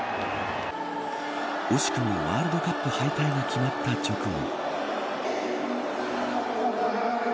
惜しくもワールドカップ敗退が決まった直後。